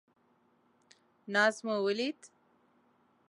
ناز مو ولید.